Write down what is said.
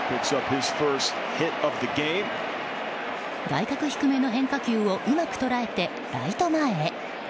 外角低めの変化球をうまく捉えライト前へ。